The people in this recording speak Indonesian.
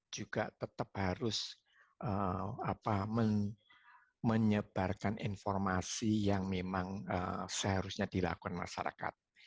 juga tetap harus menyebarkan informasi yang memang seharusnya dilakukan masyarakat